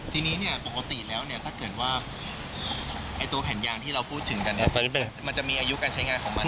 ที่นี้ปกติแล้วถ้าเกิดว่าไอ้ตัวแผ่นยางที่เราพูดถึงกันมันจะมีอายุการใช้งานของมัน